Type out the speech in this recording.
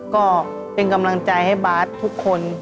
ก็เป็นกำลังใจให้บาททุกคน